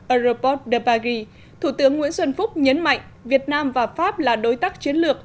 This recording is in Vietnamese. aroport de paris thủ tướng nguyễn xuân phúc nhấn mạnh việt nam và pháp là đối tác chiến lược